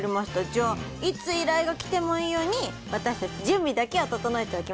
じゃあいつ依頼が来てもいいように私たち準備だけは整えておきましょう。